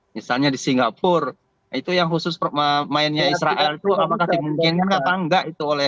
misalnya di singapura itu yang khusus mainnya israel itu apakah dimungkinkan atau enggak itu oleh